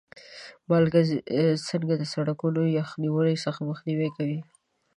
مالګه څنګه د سړکونو یخ نیولو څخه مخنیوی کوي؟